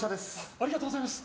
ありがとうございます。